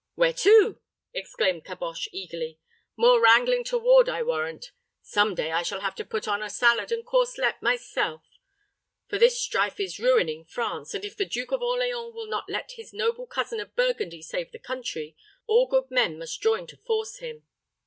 "Where to?" exclaimed Caboche, eagerly. "More wrangling toward, I warrant. Some day I shall have to put on the salad and corselet myself, for this strife is ruining France; and if the Duke of Orleans will not let his noble cousin of Burgundy save the country, all good men must join to force him."